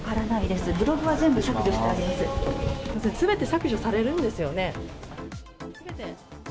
すべて削除されるんですよね？